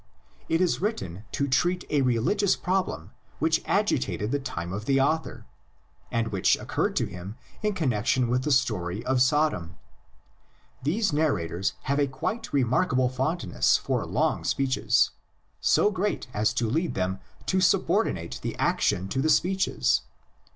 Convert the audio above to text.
It is written to treat a religious problem which agitated the time of the author, and which occurred to him in connexion with the story of Sodom. These narrators have a quite remarkable fondness for long speeches, so great as to lead them to subordinate the action to the speeches.